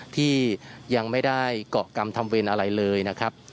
ที่ยังไม่ได้เกาะกรรมทำเวรอะไรเลยนะครับ